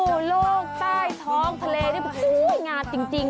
โอ้โหโลกใต้ท้องทะเลนี่อุ้ยงาดจริงจริง